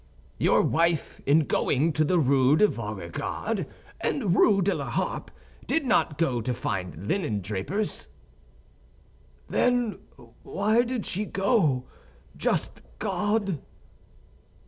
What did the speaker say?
"Your wife, in going to Rue de Vaugirard and Rue de la Harpe, did not go to find linen drapers." "Then why did she go, just God?"